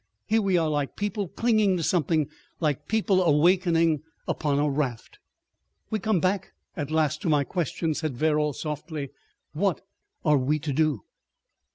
... Here we are like people clinging to something—like people awakening—upon a raft." "We come back at last to my question," said Verrall, softly; "what are we to do?"